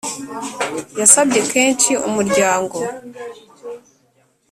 yasabye kenshi umuryango